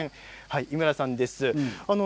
井村さんです。